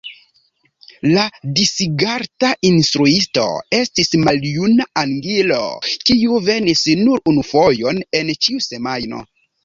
La Disigarta instruisto estis maljuna angilo kiu venis nur unufojon en ĉiu semajno.